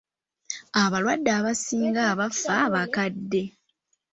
Abalwadde abasinga abafa bakadde.